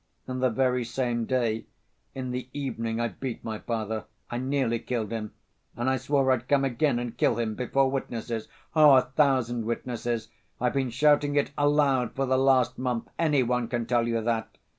And the very same day, in the evening I beat my father. I nearly killed him, and I swore I'd come again and kill him, before witnesses.... Oh, a thousand witnesses! I've been shouting it aloud for the last month, any one can tell you that!...